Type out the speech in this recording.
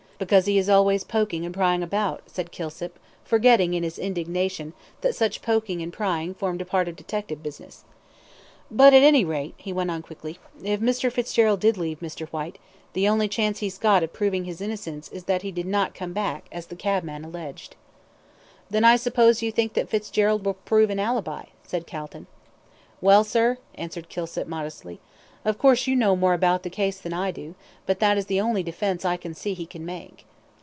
"Because he is always poking and prying about," said Kilsip, forgetting, in his indignation, that such poking and prying formed part of detective business. "But, at any rate," he went on quickly, "if Mr. Fitzgerald did leave Mr. Whyte, the only chance he's got of proving his innocence is that he did not come back, as the cabman alleged." "Then, I suppose, you think that Fitzgerald will prove an ALIBI," said Calton. "Well, sir," answered Kilsip, modestly, "of course you know more about the case than I do, but that is the only defence I can see he can make."